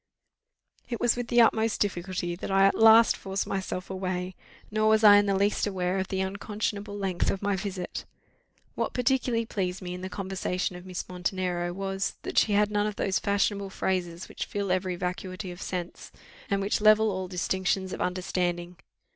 It was with the utmost difficulty that I at last forced myself away, nor was I in the least aware of the unconscionable length of my visit. What particularly pleased me in the conversation of Miss Montenero was, that she had none of those fashionable phrases which fill each vacuity of sense, and which level all distinctions of understanding.